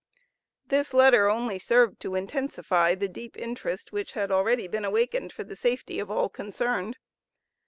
This letter only served to intensify the deep interest which had already been awakened for the safety of all concerned.